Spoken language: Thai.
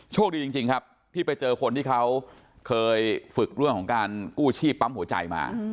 โชคดีจริงครับที่ไปเจอคนที่เขาเคยฝึกเรื่องของการกู้ชีพปั๊มหัวใจมา